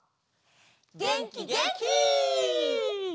げんきげんき！